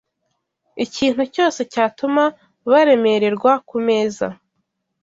Ikintu cyose cyatuma baremererwa ku meza